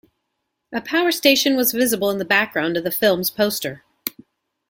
A power station was visible in the background of the film's poster.